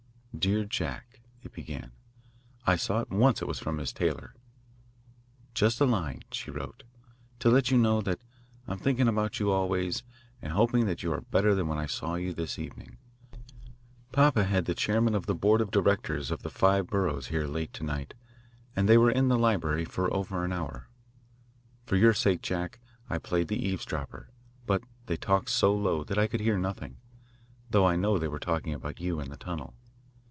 "Dear Jack," it began. I saw at once that it was from Miss Taylor. "Just a line," she wrote, "to let you know that I am thinking about you always and hoping that you are better than when I saw you this evening. Papa had the chairman of the board of directors of the Five Borough here late to night, and they were in the library for over an hour. For your sake, Jack, I played the eavesdropper, but they talked so low that I could hear nothing, though I know they were talking about you and the tunnel.